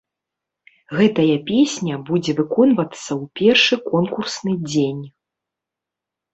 Гэтая песня будзе выконвацца ў першы конкурсны дзень.